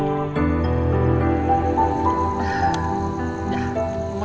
kok kebacanya notif abis gue